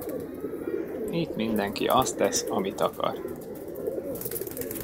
Itt mindenki azt tesz, amit akar.